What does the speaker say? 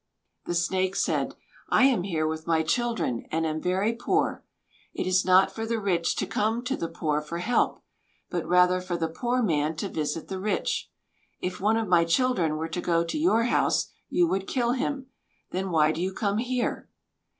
The Snake said: "I am here with my children, and am very poor. It is not for the rich to come to the poor for help; but rather for the poor man to visit the rich. If one of my children were to go to your house, you would kill him. Then why do you come here?"